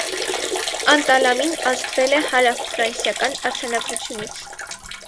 Անտալամին ազդվել է հարավֆրանսիական արձանագործությունից։